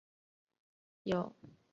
有成百万的人染上可以预防的疾病。